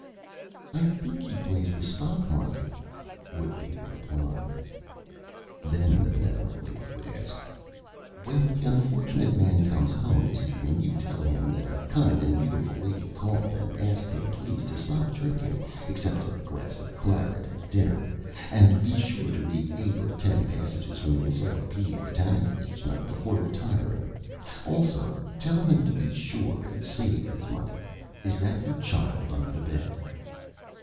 "I think he plays the Stock Market," would be the Reply. Then the Benevolent Lady would say: "When the Unfortunate Man comes Home this Evening you tell him that a Kind and Beautiful Lady called and asked him please to stop Drinking, except a Glass of Claret at Dinner, and to be sure and read Eight or Ten Pages from the Encyclopædia Britannica each Night before retiring; also tell him to be sure and save his Money. Is that your Child under the Bed?"